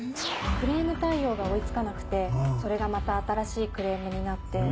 クレーム対応が追い付かなくてそれがまた新しいクレームになって。